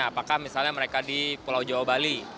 apakah misalnya mereka di pulau jawa bali